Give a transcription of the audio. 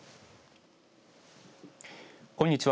こんにちは。